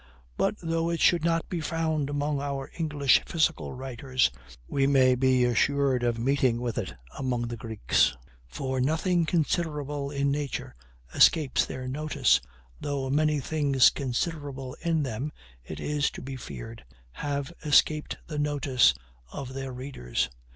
But though it should not be found among our English physical writers, we may be assured of meeting with it among the Greeks; for nothing considerable in nature escapes their notice, though many things considerable in them, it is to be feared, have escaped the notice of their readers.